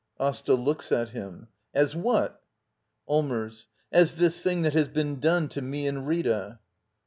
Asta. [Looks at him.] As what? Allmbrs. As this thing that has been done to me and Rita.